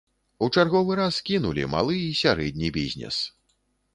У чарговы раз кінулі малы і сярэдні бізнес.